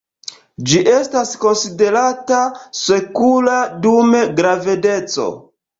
Ĝi estas konsiderata sekura dum gravedeco.